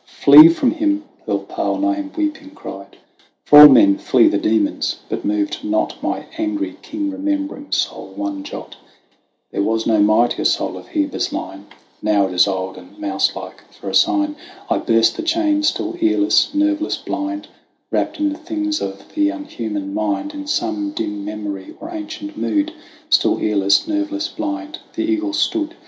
"Flee from him," pearl pale Niamh weeping cried, For all men flee the demons;" but moved not, Nor shook my firm and spacious soul one jot ; There was no mightier soul of Heber's line ; Now it is old and mouse like : for a sign n THE WANDERINGS OF OISIN 105 I burst the chain: still earless, nerveless, blind, Wrapped in the things of the unhuman mind, In some dim memory or ancient mood Still earless, nerveless, blind, the eagles stood.